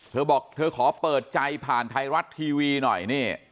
เธอบอกเธอขอเปิดใจผ่านไทยรัฐทีวีหน่อยนี่